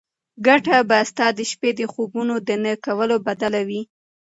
ګټه به ستا د شپې د خوبونو د نه کولو بدله وي.